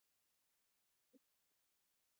ننګرهار د افغانستان په ستراتیژیک اهمیت کې رول لري.